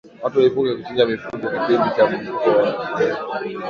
Watu waepuke kuchinja mifugo kipindi cha mlipuko wa ugonjwa